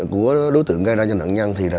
của đối tượng gây ra nặng nhăn thì là